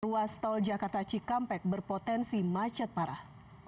ruas tol jakarta cikampek berpotensi macet parah